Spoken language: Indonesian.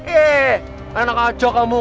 eh enak aja kamu